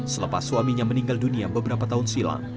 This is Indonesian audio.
selepas suaminya meninggal dunia beberapa tahun silam